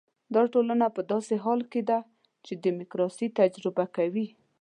دا ټولنه په داسې حال کې ده چې ډیموکراسي تجربه کوي.